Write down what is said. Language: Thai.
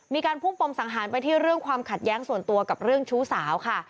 มีการพุ่งปมสังหารไปที่เรื่องความขัดแย้งส่วนตัวกับเรื่องชู้สาวค่ะ